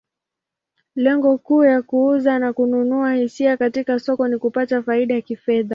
Lengo kuu ya kuuza na kununua hisa katika soko ni kupata faida kifedha.